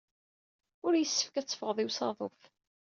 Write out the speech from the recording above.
Ur yessefk ad teffɣeḍ i usaḍuf.